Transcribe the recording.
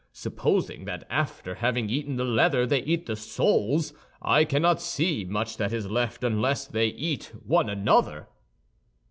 Supposing that after having eaten the leather they eat the soles, I cannot see much that is left unless they eat one another."